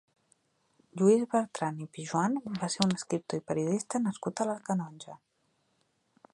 Lluís Bertran i Pijoan va ser un escriptor i periodista nascut a la Canonja.